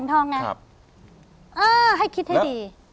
เออให้คิดให้ดี